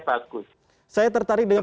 bagus saya tertarik dengan